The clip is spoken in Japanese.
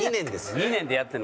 ２年でやってるの。